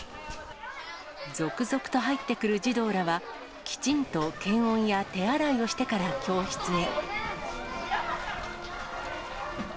続々と入ってくる児童らは、きちんと検温や手洗いをしてから教室へ。